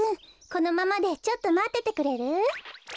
このままでちょっとまっててくれる？